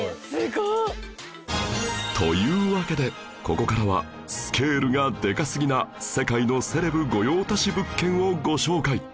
というわけでここからはスケールがでかすぎな世界のセレブ御用達物件をご紹介！